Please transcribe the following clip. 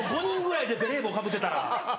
５人ぐらいでベレー帽かぶってたら。